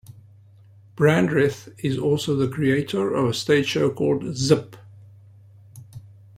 Brandreth is also the creator of a stage show called Zipp!